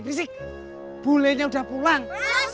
boleh boleh boleh boleh boleh boleh boleh boleh boleh boleh boleh